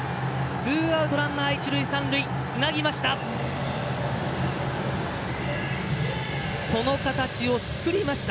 ツーアウトランナー、一塁三塁つなぎました。